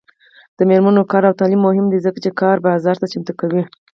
د میرمنو کار او تعلیم مهم دی ځکه چې کار بازار ته چمتو کوي.